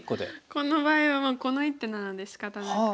この場合はこの一手なのでしかたなく。